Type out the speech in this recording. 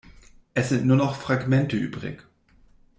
Es sind nur noch Fragmente übrig.